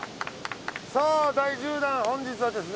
さあ第１０弾本日はですね